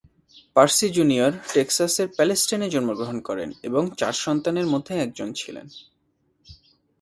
Parsi junior টেক্সাসের প্যালেস্টাইনে জন্মগ্রহণ করেন এবং চার সন্তানের মধ্যে একজন ছিলেন।